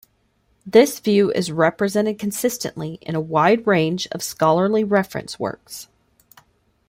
This view is represented consistently in a wide range of scholarly reference works.